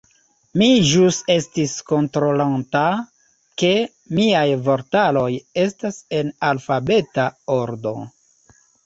Mi ĵus estis kontrolonta ke miaj vortaroj estas en alfabeta ordo.